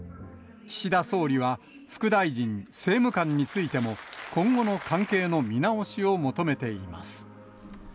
岸田総理は、副大臣、政務官についても、今後の関係の見直しを求めています。